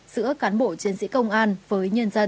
giữa cán bộ chiến sĩ công an với nhân dân